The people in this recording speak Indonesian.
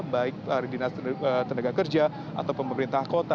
baik dari dinas tenaga kerja atau pemerintah kota